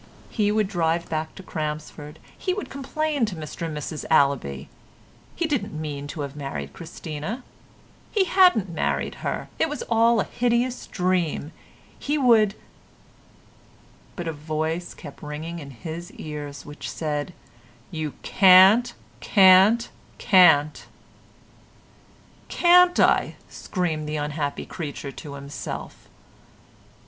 He would drive back to Crampsford; he would complain to Mr and Mrs Allaby; he didn't mean to have married Christina; he hadn't married her; it was all a hideous dream; he would—But a voice kept ringing in his ears which said: "YOU CAN'T, CAN'T, CAN'T." "CAN'T I?" screamed the unhappy creature to himself.